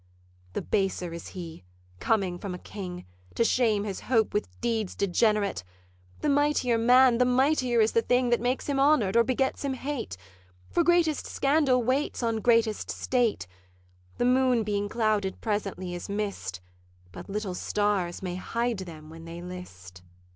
The baser is he, coming from a king, To shame his hope with deeds degenerate: The mightier man, the mightier is the thing That makes him honour'd, or begets him hate; For greatest scandal waits on greatest state. The moon being clouded presently is miss'd, But little stars may hide them when they list.